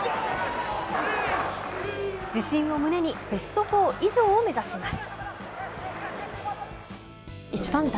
自信を胸に、ベストフォー以上を目指します。